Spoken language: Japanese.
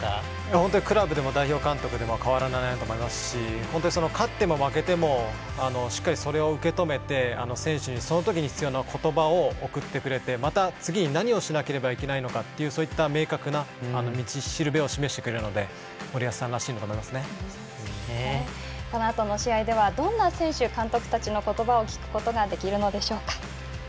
本当にクラブでも代表監督でも変わらないと思いますし本当に勝っても負けてもしっかりそれを受け止めて選手にその時に必要な言葉をおくってくれてまた次に何をしなければいけないのかというそういった明確な道しるべを記してくれるのでこのあとの試合ではどんな選手、監督たちの言葉を聞くことができるのでしょうか。